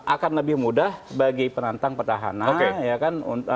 akan lebih mudah bagi penantang petahana ya kan